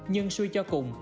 nhưng suy cho cùng